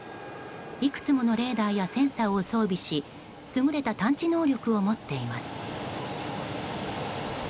いくつものレーダーやセンサーを装備し優れた探知能力を持っています。